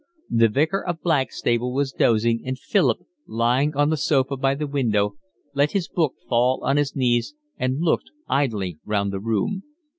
The Vicar of Blackstable was dozing and Philip, lying on the sofa by the window, let his book fall on his knees and looked idly round the room.